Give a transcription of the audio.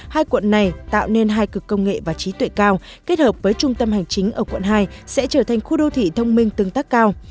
hai quận này tạo nên hai cực công nghệ và trí tuệ cao kết hợp với trung tâm hành chính ở quận hai sẽ trở thành khu đô thị thông minh tương tác cao